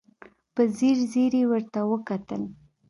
په ځير ځير يې ورته وکتل.